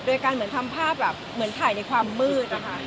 โดยการใช้ภาพแบบถ่ายในความมืด